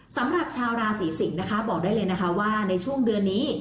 สำหรับชาวราศีสิงศ์นะคะบอกได้เลยนะคะว่าในช่วงเดือนนี้